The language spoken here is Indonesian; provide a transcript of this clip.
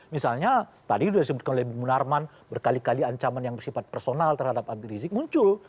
misalnya tadi sudah disebutkan oleh bung munarman berkali kali ancaman yang bersifat personal terhadap habib rizik muncul